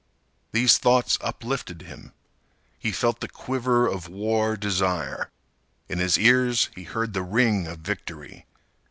These thoughts uplifted him. He felt the quiver of war desire. In his ears, he heard the ring of victory.